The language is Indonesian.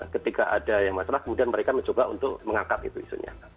ketika ada yang masalah kemudian mereka mencoba untuk mengangkat itu isunya